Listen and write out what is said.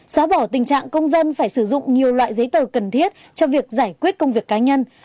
xóa bỏ tình trạng công dân phải sử dụng nhiều loại giấy tờ cần thiết cho việc giải quyết công việc cá nhân